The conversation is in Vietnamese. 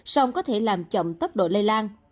song có thể làm chậm tốc độ lây lan